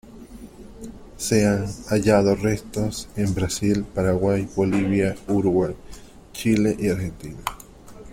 Se han hallado restos en Brasil, Paraguay, Bolivia, Uruguay, Chile, y Argentina.